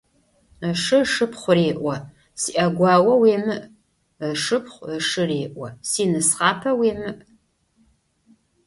Ышы ышыпхъу реӀо: «СиӀэгуао уемыӀ», ышыпхъу ышы реӀо: «Синысхъапэ уемыӀ».